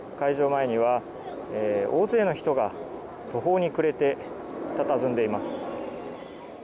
前には大勢の人が途方に暮れてたたずんでいます。